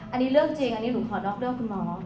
อันนี้เรื่องจริงอันนี้หนูขอนอกเรื่องคุณหมอ